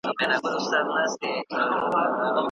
که شاعر وي نو خیال نه بنديږي.